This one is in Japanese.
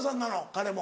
彼も。